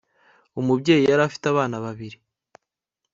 umubyeyi yari afite abana babiri